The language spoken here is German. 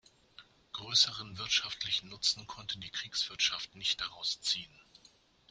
Größeren wirtschaftlichen Nutzen konnte die Kriegswirtschaft nicht daraus ziehen.